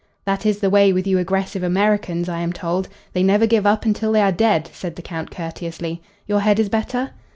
"That is the way with you aggressive Americans. I am told. They never give up until they are dead," said the Count, courteously. "Your head is better?"